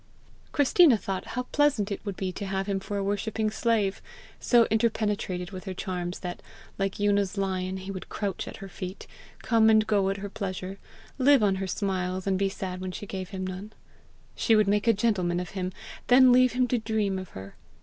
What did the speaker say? Christina thought how pleasant it would be to have him for a worshipping slave so interpenetrated with her charms that, like Una's lion, he would crouch at her feet, come and go at her pleasure, live on her smiles, and be sad when she gave him none. She would make a gentleman of him, then leave him to dream of her!